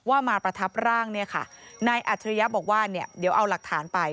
ว่ามาประทับร่างนายอัธยะบอกว่าเดี๋ยวเอาหลักฐานไป